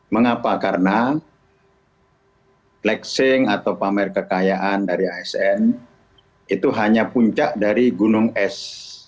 mengapa karena flexing atau pamer kekayaan dari asn itu hanya puncak dari gunung es